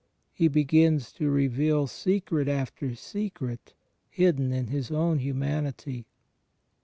He begins to reveal secret after secret hidden in His own Humanity.